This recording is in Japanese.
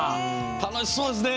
楽しそうですね。